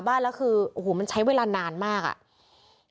บ้านแล้วคือโอ้โหมันใช้เวลานานมากอ่ะ